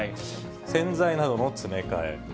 洗剤などの詰め替え。